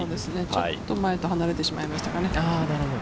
ちょっと前と離れてしまいましたかね。